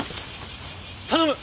頼む！